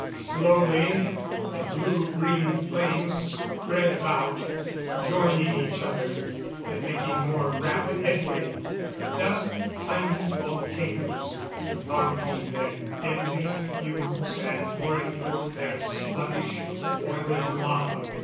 Slowly the blue green flames spread about, joining each other and making more rapid headway a dozen tiny volcanoes vomiting their deadly fumes and pouring forth their sluggish, boiling lava.